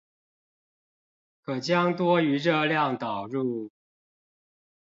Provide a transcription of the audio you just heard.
可將多餘熱量導入